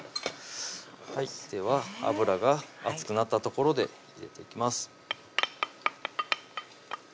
はいでは油が熱くなったところで入れていきます